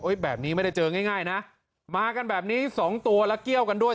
แบบนี้ไม่ได้เจอง่ายนะมากันแบบนี้สองตัวแล้วเกี้ยวกันด้วย